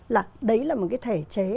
là đấy là một cái thể chế